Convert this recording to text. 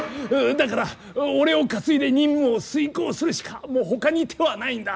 だから俺を担いで任務を遂行するしかもうほかに手はないんだ。